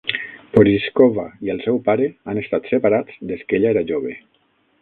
Porizkova i el seu pare han estat separats des que ella era jove.